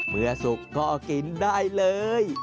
เมื่อสุกก็กินได้เลย